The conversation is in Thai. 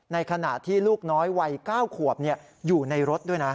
ในขณะที่ลูกน้อยวัย๙ขวบอยู่ในรถด้วยนะ